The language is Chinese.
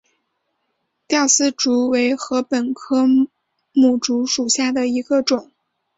吊丝竹为禾本科牡竹属下的一个种。